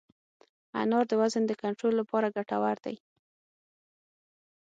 انار د وزن د کنټرول لپاره ګټور دی.